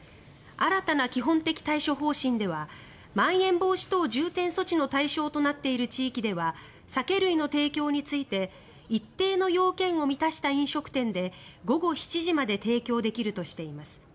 新たな基本的対処方針ではまん延防止等重点措置の対象となっている地域では酒類の提供について一定の要件を満たした飲食店で午後７時まで提供できるとしています。